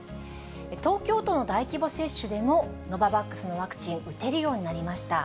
東京都の大規模接種でもノババックスのワクチン、打てるようになりました。